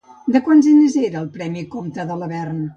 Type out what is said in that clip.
De quants diners era el premi Comte de Lavern?